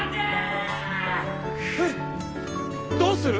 えどうする？